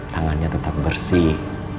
tangannya tetap bersih